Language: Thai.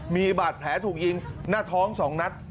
มีบาดแผลถูกยิงหน้าท้อง๒นัด